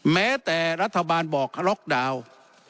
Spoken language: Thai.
แม้แต่รัฐบาลบอกล็อกดาวน์